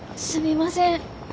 すみません。